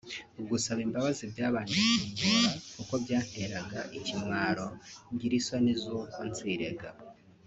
Gusaba imbabazi byabanje kungora kuko byanteraga ikimwaro ngira isoni zuko nzirega